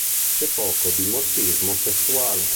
C'è poco dimorfismo sessuale.